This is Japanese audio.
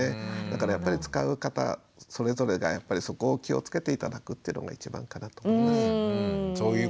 だからやっぱり使う方それぞれがやっぱりそこを気をつけて頂くというのが一番かなと思います。